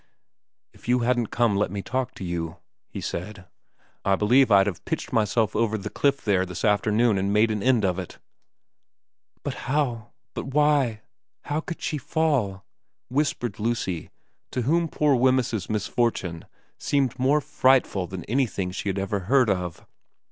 ' If you hadn't let me come and talk to you,' he said, ' I believe I'd have pitched myself over the cliff there this afternoon and made an end of it.' ' But how but why how could she fall ?' whispered Lucy, to whom poor Wemyss's misfortune seemed more frightful than anything she had ever heard of.